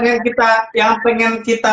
nah itu yang pengen kita